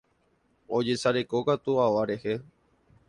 Ojesarekokatu ava rehe.